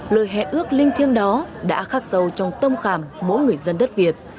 lời hẹn ước linh thiêng đó đã khắc sâu trong tâm khảm mỗi người dân đất việt